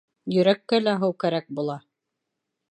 Йөрәккә лә һыу кәрәк була...